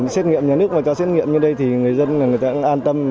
xét nghiệm nhà nước mà cho xét nghiệm như đây thì người dân an tâm